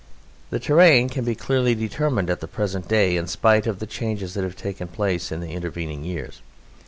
The terrain can be clearly determined at the present day in spite of the changes that have taken place in the intervening years.